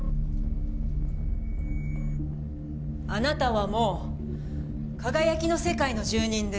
あなたはもう「かがやきの世界」の住人です。